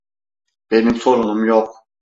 Benim sorunum yok.